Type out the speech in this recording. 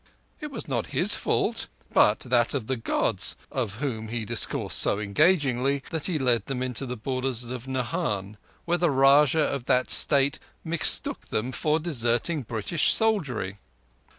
It was not his fault, but that of the Gods, of whom he discoursed so engagingly, that he led them into the borders of Nahan, where the Rajah of that state mistook them for deserting British soldiery.